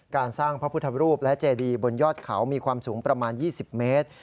การสร้างพระพุทธรูปและเจดีบนยอดเขามีความสูงประมาณ๒๐เมตร